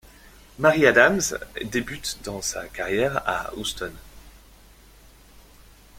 Marie Adams débute dans sa carrière à Houston.